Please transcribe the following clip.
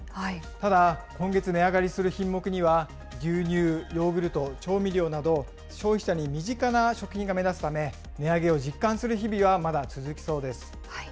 ただ、今月値上がりする品目には、牛乳、ヨーグルト、調味料など、消費者に身近な食品が目立つため、値上げを実感する日々はまだ続きそうです。